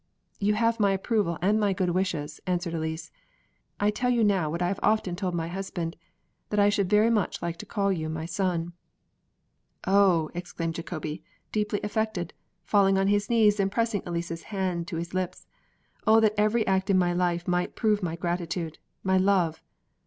"You have my approval and my good wishes," answered Elise; "I tell you now what I have often told my husband, that I should very much like to call you my son!" "Oh!" exclaimed Jacobi, deeply affected, falling on his knees and pressing Elise's hand to his lips: "oh, that every act in my life might prove my gratitude, my love